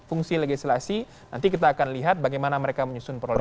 fungsi legislasi nanti kita akan lihat bagaimana mereka menyusun proses